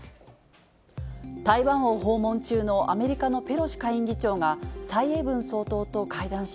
台湾を訪問中のアメリカのペロシ下院議長が蔡英文総統と会談